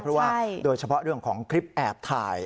เพราะว่าโดยเฉพาะเรื่องของคลิปแอบถ่าย